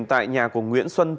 tại nhà của nguyễn xuân thiết